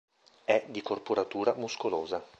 È di corporatura muscolosa.